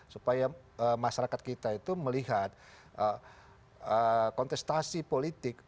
supaya masyarakat kita itu melihat kontestasi politik